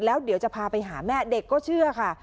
แล้วเดี๋ยวจะพาไปหาแม่เด็กก็เชื่อค่ะ